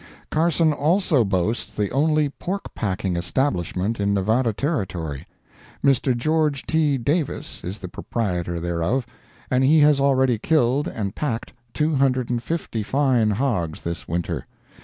Carson also boasts the only pork packing establishment in Nevada Territory. Mr. George T. Davis is the proprietor thereof, and he has already killed and packed two hundred and fifty fine hogs this winter.